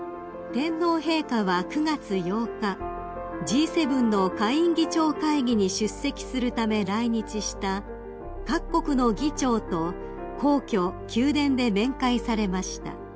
［天皇陛下は９月８日Ｇ７の下院議長会議に出席するため来日した各国の議長と皇居宮殿で面会されました］